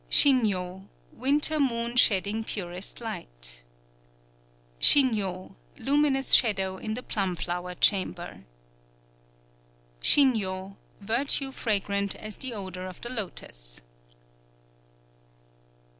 _ Shinnyo, Winter Moon shedding purest Light. Shinnyo, Luminous Shadow in the Plumflower Chamber. _Shinnyo, Virtue fragrant as the Odor of the Lotos.